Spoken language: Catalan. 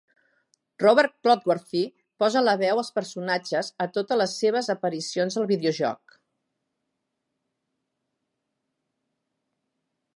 Robert Clotworthy posa la veu al personatge a totes les seves aparicions al videojoc.